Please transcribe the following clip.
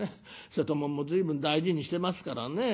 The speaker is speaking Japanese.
瀬戸物も随分大事にしてますからね